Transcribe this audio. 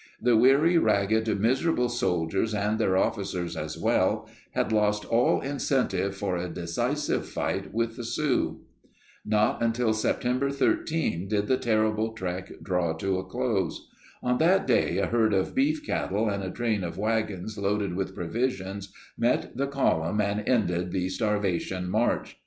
The weary, ragged, miserable sol diers, and their officers as well, had lost all incentive for a decisive fight with the Sioux. Not until September 13 did the terrible trek draw to a close. On that day a herd of beef cattle and a train of wagons loaded with provisions met the column and ended the "Starvation March."